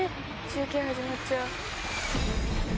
中継始まっちゃう。